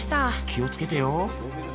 気を付けてよ。